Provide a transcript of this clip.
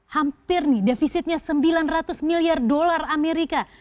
hampir nih defisitnya sembilan ratus miliar dolar amerika